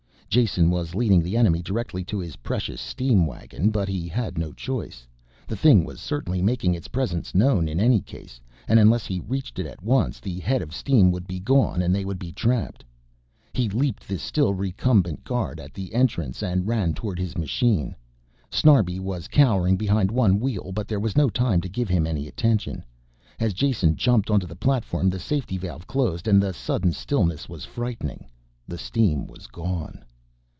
Jason was leading the enemy directly to his precious steam wagon, but he had no choice. The thing was certainly making its presence known in any case, and unless he reached it at once the head of steam would be gone and they would be trapped. He leaped the still recumbent guard at the entrance and ran towards his machine. Snarbi was cowering behind one wheel but there was no time to give him any attention. As Jason jumped onto the platform the safety valve closed and the sudden stillness was frightening. The steam was gone.